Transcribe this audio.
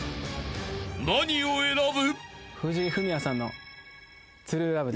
［何を選ぶ？］